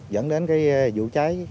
dẫn đến cái vụ cháy